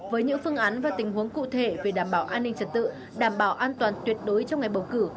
với những phương án và tình huống cụ thể về đảm bảo an ninh trật tự đảm bảo an toàn tuyệt đối trong ngày bầu cử